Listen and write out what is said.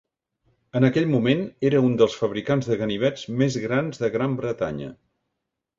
En aquell moment, era un dels fabricants de ganivets més grans de Gran Bretanya.